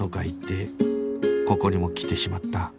言ってここにも来てしまった